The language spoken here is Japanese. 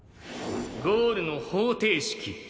ゴールの方程式。